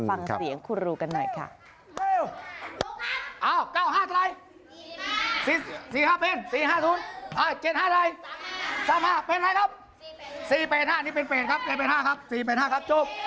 ฟังเสียงครูกันหน่อยค่ะ